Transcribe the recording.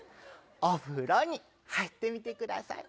お風呂に入ってみてください。